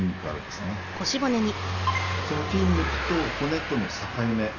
その筋肉と骨との境目